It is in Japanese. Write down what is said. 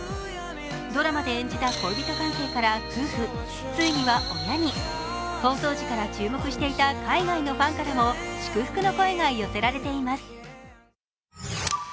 ドラマで演じた恋人関係から夫婦、ついには親に放送時から注目していた海外のファンからも祝福の声が寄せられています。